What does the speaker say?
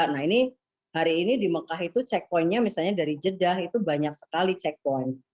nah ini hari ini di mekah itu checkpointnya misalnya dari jeddah itu banyak sekali checkpoint